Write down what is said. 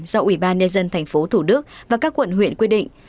do ủy ban nhân dân tp hcm và các quận huyện quy định